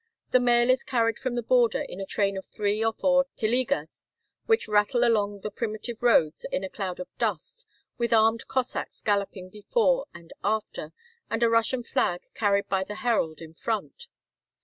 The mail is carried from the border in a train of three or four telegas, which rattle along over the primitive roads in a cloud of dust, with 132 Across Asia on a Bicycle armed Cossacks galloping before and after, and a Russian flag carried by the herald in front.